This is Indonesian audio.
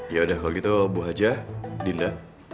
yaudah kalau gitu bu haja dinda